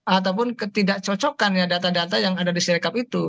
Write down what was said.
ataupun ketidakcocokan ya data data yang ada di sirekap itu